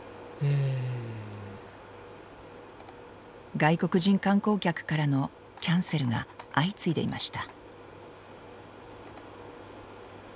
外国人観光客からのキャンセルが相次いでいました。